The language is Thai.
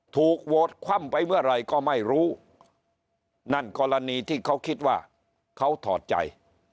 ถูกโหวตคว่ำไปเมื่อไหร่ก็ไม่รู้นั่นกรณีที่เขาคิดว่าเขาถอดใจ